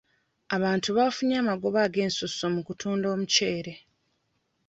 Abantu bafunye amagoba ag'ensusso mu kutunda omuceere.